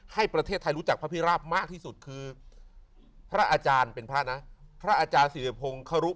ให้ประเทศไทยรู้จักพระพิราบมากที่สุดคือพระอาจารย์เป็นพระนะพระอาจารย์สิริพงศ์เขารู้